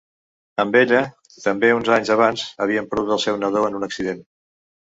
Amb ella, també uns anys abans havien perdut el seu nadó en un accident.